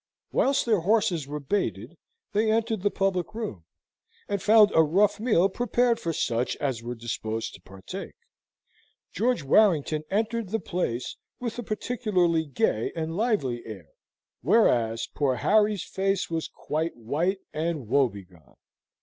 Whilst their horses were baited, they entered the public room, and found a rough meal prepared for such as were disposed to partake. George Warrington entered the place with a particularly gay and lively air, whereas poor Harry's face was quite white and woebegone.